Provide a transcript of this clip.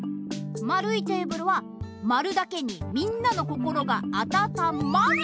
まるいテーブルはまるだけにみんなの心があたたまる！